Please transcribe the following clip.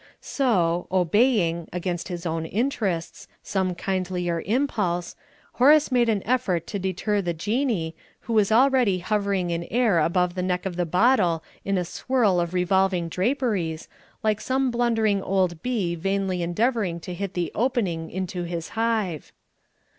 So, obeying against his own interests some kindlier impulse, Horace made an effort to deter the Jinnee, who was already hovering in air above the neck of the bottle in a swirl of revolving draperies, like some blundering old bee vainly endeavouring to hit the opening into his hive.